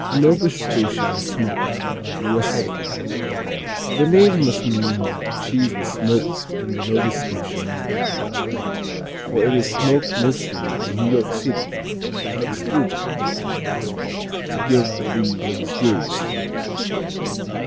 Nova Scotia Smoked U.S.A. The name must mean that the cheese was smoked in the Nova Scotia manner, for it is smoked mostly in New York City, like sturgeon, to give the luxurious flavor.